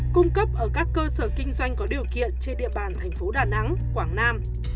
cung cấp ở các cơ sở kinh doanh có điều kiện trên địa bàn thành phố đà nẵng quảng nam